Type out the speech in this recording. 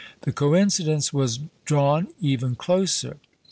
The coincidence was drawn even closer.